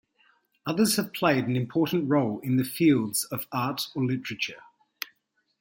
Others have played an important role in the fields of Art or Literature.